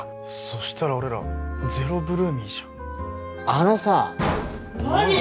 そしたら俺らゼロ８ＬＯＯＭＹじゃんあのさ何？